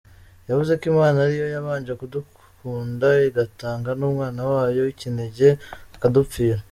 Yavuze ko Imana ariyo yabanje kudukunda igatanga n’umwana wayo w’ikinege akadupfira.